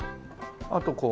あとこう。